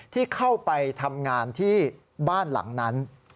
ที่เข้าไปทำงานที่บ้านหลังนั้น